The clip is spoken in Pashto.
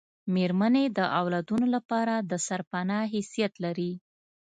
میرمنې د اولادونو لپاره دسرپنا حیثیت لري